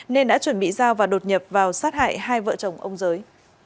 nên đã chuẩn bị giao và đột nhập vào sát hại hai vợ chồng ông giới